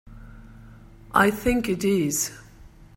I think it is.